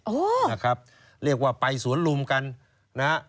นะครับเรียกว่าไปสวนลุมกันนะฮะ